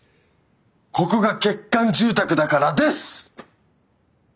ここが欠陥住宅だからです！